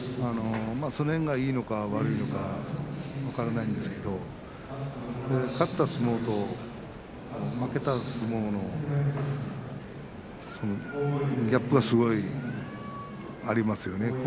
その辺が、いいのか悪いのか分からないんですけど勝った相撲と負けた相撲のギャップがすごいありますよね。